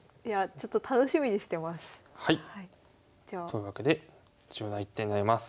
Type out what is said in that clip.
というわけで重要な一手になります。